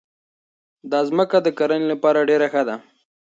دا ځمکه د کرنې لپاره ډېره ښه ده.